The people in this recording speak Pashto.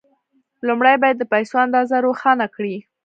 لومړی باید د پيسو اندازه روښانه کړئ.